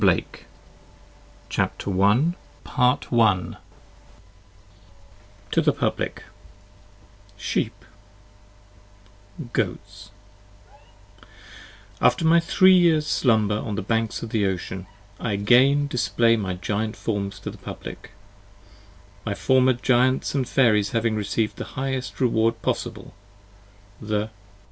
Blake, S th Molton S* p. 3 Sheep TO THE PUBLIC Goats AFTER my three years slumber on the banks of the Ocean, I again display my Giant forms to the Public : My former Giants & Fairies having receiv'd the highest reward possible, the